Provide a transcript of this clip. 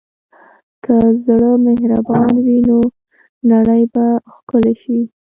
که زړه مهربان وي، نو نړۍ به ښکلې شي.